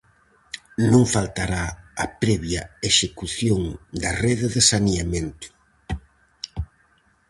Non faltará a previa execución da rede de saneamento.